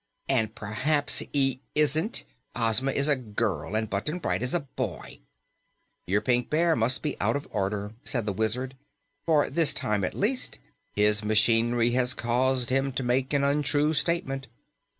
"And perhaps he isn't! Ozma is a girl, and Button Bright is a boy." "Your Pink Bear must be out of order," said the Wizard, "for, this time at least, his machinery has caused him to make an untrue statement."